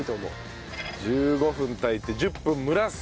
１５分炊いて１０分蒸らす。